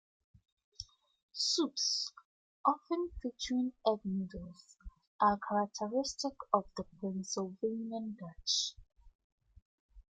Soups, often featuring egg noodles, are characteristic of the Pennsylvania Dutch.